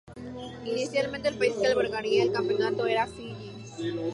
Inicialmente el país que albergaría el campeonato era Fiyi.